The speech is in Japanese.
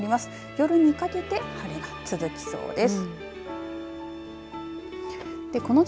夜にかけて晴れが続きそうです。